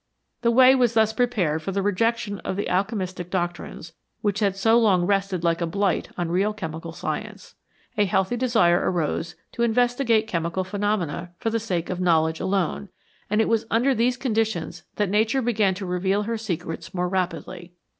The way was thus prepared for the rejection of the alchemistic doctrines, which had so long rested like a blight on real chemical science. A healthy desire arose to investigate chemical phenomena for the sake of knowledge alone, and it was under these con ditions that Nature began to reveal her secrets more rapidly.